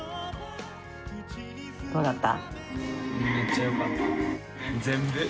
どうだった？